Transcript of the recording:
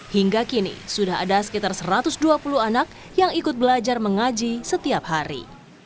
hingga kini sudah ada sekitar satu ratus dua puluh anak yang ikut belajar mengaji setiap hari